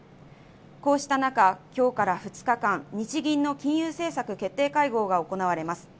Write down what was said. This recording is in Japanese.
こうした中、今日から２日間、日銀の金融政策決定会合が行われます。